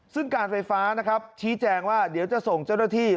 ซึ่งการไฟฟ้านะครับชี้แจงว่าเดี๋ยวจะส่งเจ้าหน้าที่